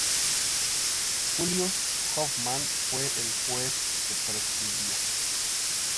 Julius Hoffman fue el juez que presidía.